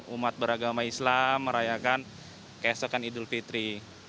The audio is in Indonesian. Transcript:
umat beragama islam merayakan keesokan idul fitri